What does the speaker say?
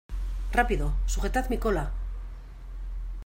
¡ Rápido! ¡ sujetad mi cola !